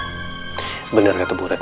kenapa kau mengveri saya ser harmonia ini